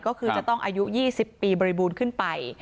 ก็คือจะต้องอายุ๒๐ปีบริบูรณ์ขึ้นไป